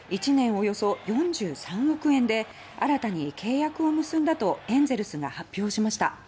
およそ４３億円で新たに契約を結んだとエンゼルスが発表しました。